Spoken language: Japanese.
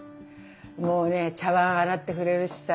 もうね茶わん洗ってくれるしさ。